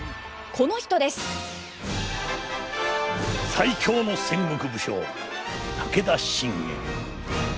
最強の戦国武将武田信玄。